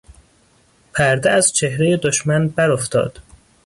پرده از چهرهٔ دشمن بر افتاد.